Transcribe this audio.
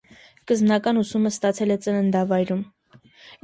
Սկզբնական ուսումը ստացել է ծննդավայրում։